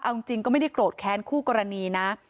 เอาจริงก็ไม่ได้โกรธแค้นคู่กรณีนะ